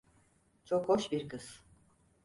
Çok hoş bir kız.